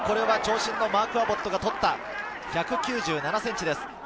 これは長身のマーク・アボットが取った１９７ｃｍです。